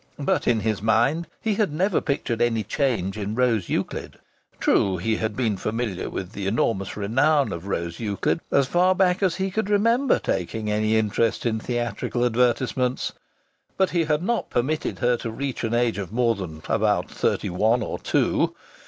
But in his mind he had never pictured any change in Rose Euclid. True, he had been familiar with the enormous renown of Rose Euclid as far back as he could remember taking any interest in theatrical advertisements! But he had not permitted her to reach an age of more than about thirty one or two.